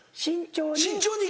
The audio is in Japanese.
慎重に。